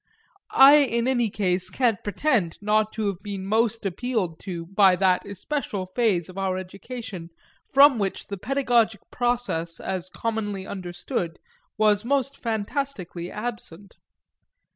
I in any case can't pretend not to have been most appealed to by that especial phase of our education from which the pedagogic process as commonly understood was most fantastically absent.